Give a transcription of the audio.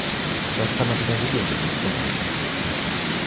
Dort kam er wieder regelmäßig zum Einsatz.